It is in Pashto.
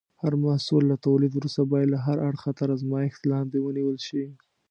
هر محصول له تولید وروسته باید له هر اړخه تر ازمېښت لاندې ونیول شي.